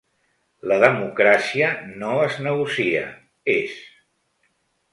La democràcia no es negocia, és!